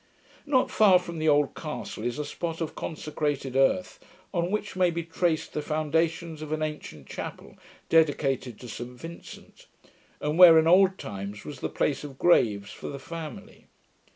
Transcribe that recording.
Not far from the old castle is a spot of consecrated earth, on which may be traced the foundations of an ancient chapel, dedicated to St Vincent, and where in old times 'was the place of graves' for the family.